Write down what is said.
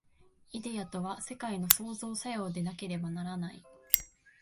イデヤとは世界の創造作用でなければならない。